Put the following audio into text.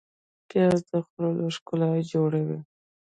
پیاز د خوړو ښکلا جوړوي